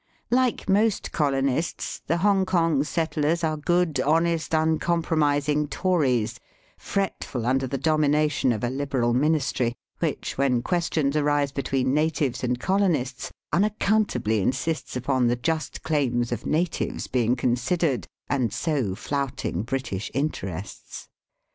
Like most colonists, the Hongkong settlers are good, honest, uncompromising Tories, fretful under the domination of a Liberal ministry, which, when questions arise between natives and colonists, unaccountably insists upon the just claims of natives being considered, and so flouting '' British interests.''